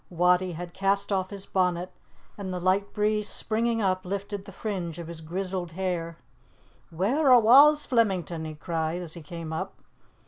Wattie had cast off his bonnet, and the light breeze springing up lifted the fringe of his grizzled hair. "Whaur awa's Flemington?" he cried, as he came up.